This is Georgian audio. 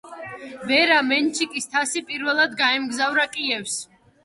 ვერა მენჩიკის თასი პირველად გაემგზავრა კიევს.